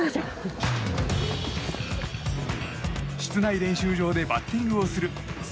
室内練習場でバッティングをする侍